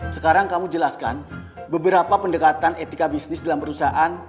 sekarang kamu jelaskan beberapa pendekatan etika bisnis dalam perusahaan